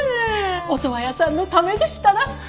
オトワヤさんのためでしたら。